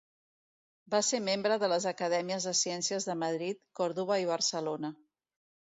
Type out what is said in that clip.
Va ser membre de les Acadèmies de Ciències de Madrid, Còrdova i Barcelona.